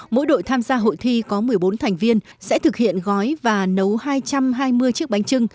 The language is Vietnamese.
mỗi đội tham gia hội thi có một mươi bốn thành viên sẽ thực hiện gói và nấu hai trăm hai mươi chiếc bánh trưng